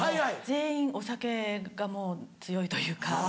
全員お酒がもう強いというか。